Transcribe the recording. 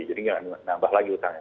jadi nggak nambah lagi utangnya